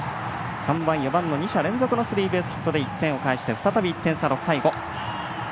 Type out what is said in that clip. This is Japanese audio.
３番、４番の２者連続のスリーベースヒットで１点を返して再び１点差、６対５。